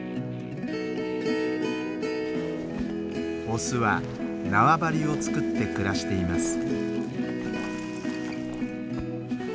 オスは縄張りを作って暮らしています。